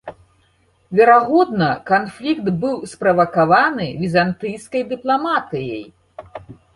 Верагодна, канфлікт быў справакаваны візантыйскай дыпламатыяй.